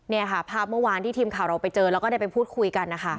นี่ค่ะภาพเมื่อวานที่ทีมข่าวเราไปเจอแล้วก็ได้ไปพูดคุยกันนะคะ